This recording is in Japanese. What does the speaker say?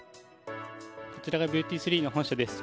こちらがビューティースリーの本社です。